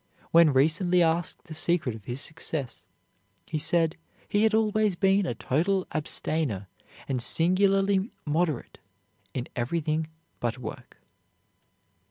When recently asked the secret of his success, he said he had always been a total abstainer and singularly moderate in everything but work.